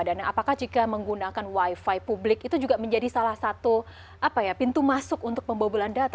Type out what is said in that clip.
dan apakah jika menggunakan wifi publik itu juga menjadi salah satu pintu masuk untuk pembobolan data